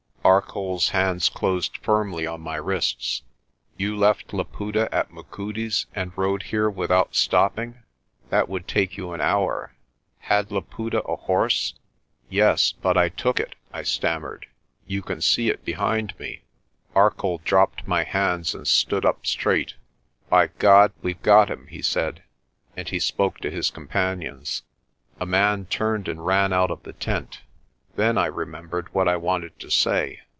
Arcoll's hands closed firmly on my wrists. "You left Laputa at Machudi's and rode here without stopping. That would take you an hour. Had Laputa a horse?' "Yes; but I took it," I stammered. "You can see it be hind me." Arcoll dropped my hands and stood up straight. "By God, we've got him!" he said, and he spoke to his companions. A man turned and ran out of the tent. Then I remembered what I wanted to say.